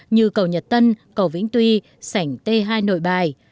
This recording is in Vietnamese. như cầu nhật tân cầu vĩnh tuy sảnh t hai nội bài